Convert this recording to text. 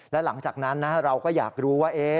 และหลังจากนั้นเราก็อยากรู้ว่า